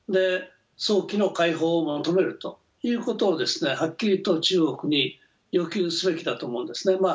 早期の解放を求めるということをはっきりと中国に要求すべきだと思うんですね。